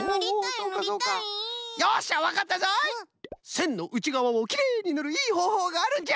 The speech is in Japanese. せんのうちがわをきれいにぬるいいほうほうがあるんじゃ。